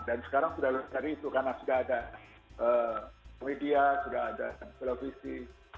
dan sekarang sudah menjadi itu karena sudah ada media sudah ada televisi